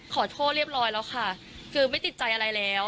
ขอโทษเรียบร้อยแล้วค่ะคือไม่ติดใจอะไรแล้ว